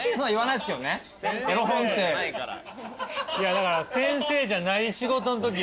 だから先生じゃない仕事のときやったから。